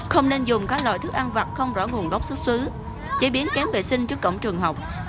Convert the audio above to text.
không nên dùng các loại thức ăn vặt không rõ nguồn gốc xuất xứ chế biến kém vệ sinh trước cổng trường học